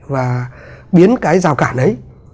và biến cái rào cản ấy